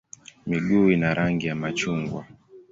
Miguu ina rangi ya machungwa.